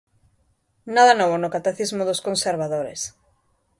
Nada novo no catecismo dos consevadores.